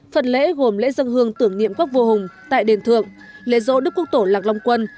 phần lễ gồm lễ dân hương tưởng niệm các vua hùng tại đền thượng lễ dỗ đức quốc tổ lạc long quân